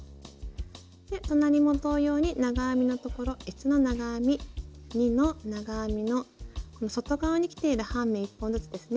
隣も同様に長編みのところ１の長編み２の長編みの外側にきている半目１本ずつですね